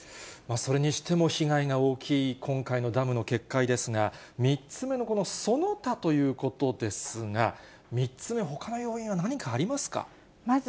それにしても被害が大きい今回のダムの決壊ですが、３つ目のこのその他ということですが、３つ目、ほかの要因は何かまず、